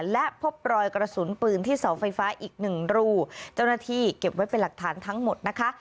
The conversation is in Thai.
และพบรอยกระสุนปืนที่เสาไฟฟ้าอีกหนึ่งรูเจ้าหน้าที่เก็บไว้เป็นหลักฐานทั้งหมดนะคะ